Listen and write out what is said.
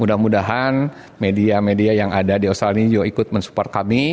mudah mudahan media media yang ada di australia juga ikut mensupport kami